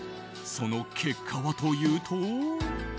その結果はというと。